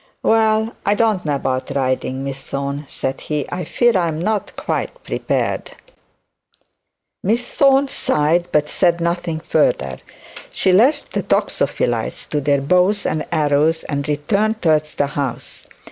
'Well, I don't know about riding, Miss Thorne,' said he; 'I fear I'm not quite prepared.' Miss Thorne sighed, but said nothing further. She left the toxophilites to their bows and arrows, and returned towards the house.